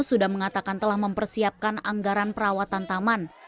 sudah mengatakan telah mempersiapkan anggaran perawatan taman